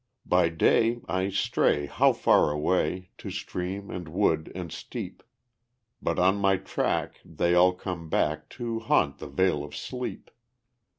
By day I stray how far away To stream and wood and steep, But on my track they all come back To haunt the vale of sleep.